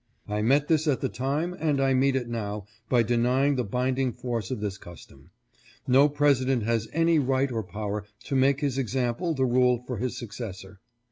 I met this at the time, 518 ETIQUETTE AT THE WHITE HOUSE. and I meet it now by denying the binding force of this custom. No President has any right or power to make his example the rule for his successor.